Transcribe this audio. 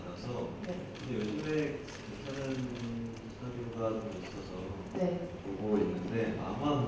เขายังมีความรู้สึกสนครวตเท่าไร